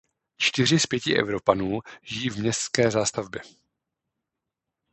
Čtyři z pěti Evropanů žijí v městské zástavbě.